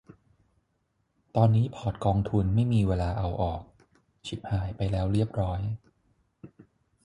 ตอนนี้พอร์ตกองทุน ไม่มีเวลาเอาออก ฉิบหายไปแล้วเรียบร้อย